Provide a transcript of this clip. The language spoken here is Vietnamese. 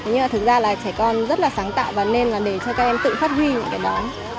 nhưng mà thực ra là trẻ con rất là sáng tạo và nên là để cho các em tự phát huy những cái đó